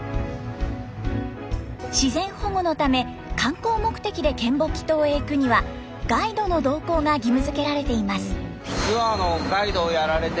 自然保護のため観光目的で嶮暮帰島へ行くにはガイドの同行が義務づけられています。